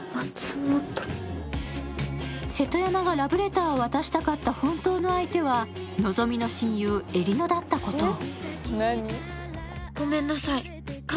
瀬戸山がラブレターを渡したかった本当の相手は、希美の親友、江里乃だったことを。